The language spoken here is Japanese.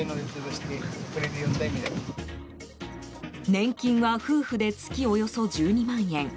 年金は夫婦で月およそ１２万円。